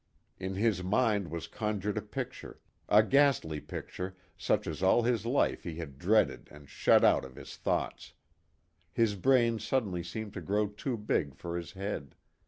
In his mind was conjured a picture a ghastly picture, such as all his life he had dreaded and shut out of his thoughts. His brain suddenly seemed to grow too big for his head.